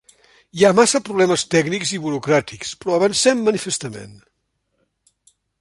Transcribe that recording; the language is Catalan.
Hi ha massa problemes tècnics i burocràtics, però avancem manifestament.